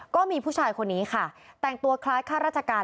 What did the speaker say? ก็มีผู้ชายคนนี้ค่ะแต่งตัวคล้ายข้าราชการ